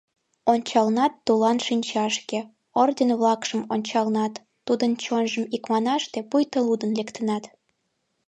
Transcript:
Ончалнат тулан шинчашке, Орден-влакшым ончалнат, Тудын чонжым иканаште Пуйто лудын лектынат.